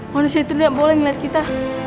manusia itu gak boleh ngeliat kita